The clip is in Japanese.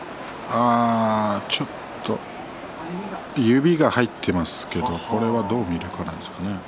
ちょっと指が入っていますけれどこれをどう見るかじゃないですかね。